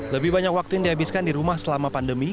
lebih banyak waktu yang dihabiskan di rumah selama pandemi